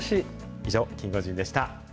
以上、キンゴジンでした。